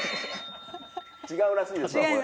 違うらしいですわこれ。